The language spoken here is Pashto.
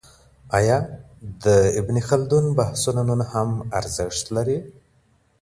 آیا د ابن خلدون بحثونه نن هم ارزښت لري؟